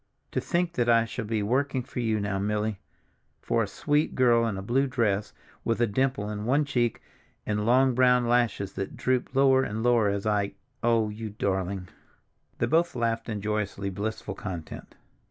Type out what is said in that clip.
To think that I shall be working for you now, Milly—for a sweet girl in a blue dress, with a dimple in one cheek and long brown lashes that droop lower and lower as I—oh, you darling!" They both laughed in joyously blissful content.